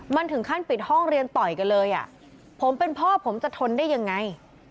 มันถึงขั้นปิดห้องเรียนต่อยกันเลยอ่ะผมเป็นพ่อผมจะทนได้ยังไง